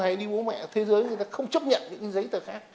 này đi bố mẹ thế giới người ta không chấp nhận những giấy tờ khác